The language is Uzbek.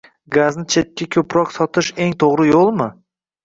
Gazni chetga ko‘proq sotish eng to‘g‘ri yo‘lmi?